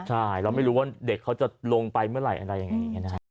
ใช่เราไม่รู้ว่าเด็กเขาจะลงไปเมื่อไหร่อะไรอย่างนี้นะฮะ